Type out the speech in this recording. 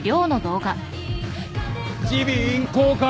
耳鼻咽喉科？